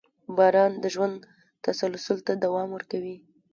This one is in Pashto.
• باران د ژوند تسلسل ته دوام ورکوي.